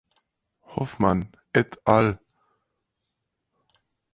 Hoffmann et al.